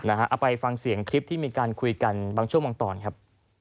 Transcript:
เอาไปฟังเสียงคลิปที่มีการคุยกันบางช่วงบางตอนครับ